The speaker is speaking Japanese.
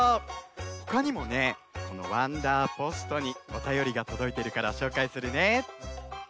ほかにもねこのわんだーポストにおたよりがとどいてるからしょうかいするね。